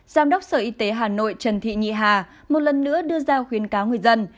giám đốc sở y tế hà nội trần thị nhị hà một lần nữa đưa ra khuyến cáo người dân